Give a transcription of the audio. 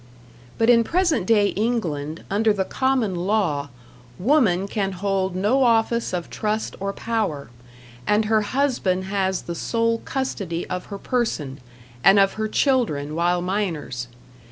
But in present day England, under the common law, woman can hold no office of trust or power, and her husband has the sole custody of her person, and of her children while minors.